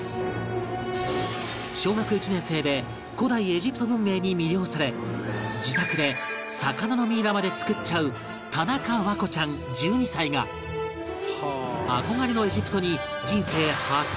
小学１年生で古代エジプト文明に魅了され自宅で魚のミイラまで作っちゃう田中環子ちゃん１２歳が憧れのエジプトに人生初訪問